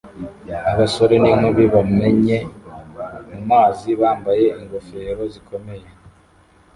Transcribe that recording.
Abasore n'inkumi bamennye mumazi bambaye ingofero zikomeye